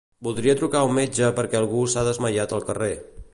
Voldria trucar a un metge perquè algú s'ha desmaiat al carrer.